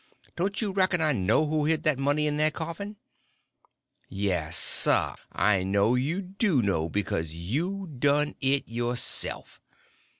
Don't you reckon I know who hid that money in that coffin?" "Yes, sir! I know you do know, because you done it yourself!"